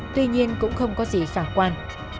tuy nhiên cũng không có gì phản quan